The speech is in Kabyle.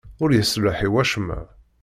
Ur yeṣliḥ i wacemma.